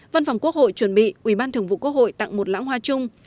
văn phòng quốc hội chuẩn bị ủy ban thường vụ quốc hội tặng một lãng hoa chung